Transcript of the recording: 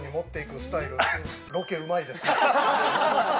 ロケうまいですね。